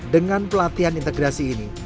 dengan pelatihan integrasi ini